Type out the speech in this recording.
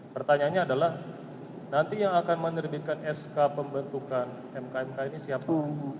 pertanyaannya adalah nanti yang akan menerbitkan sk pembentukan mk mk ini siapa